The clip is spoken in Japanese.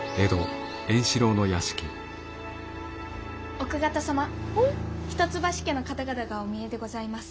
奥方様一橋家の方々がお見えでございます。